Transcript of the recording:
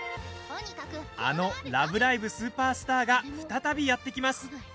あの「ラブライブ！スーパースター！！」が再び、やって来ます。